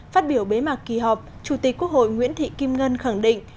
phát biểu bế mạc kỳ họp chủ tịch quốc hội nguyễn thị kim ngân khẳng định